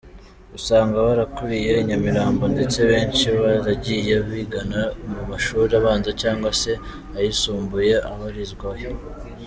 usanga barakuriye Nyamirambo ndetse benshi baragiye bigana mu mashuri abanza cyangwa se ayisumbuye abarizwayo.